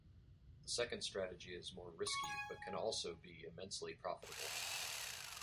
The second strategy is more risky, but can also be immensely profitable.